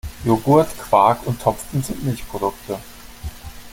Joghurt, Quark und Topfen sind Milchprodukte.